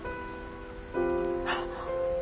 あっ。